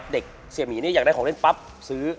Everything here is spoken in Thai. เด็กเสียหมีเนี่ยอยากได้ของเล่นปั๊บซื้อ